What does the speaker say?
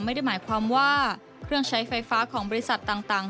ไม่ได้หมายความว่าเครื่องใช้ไฟฟ้าของบริษัทต่าง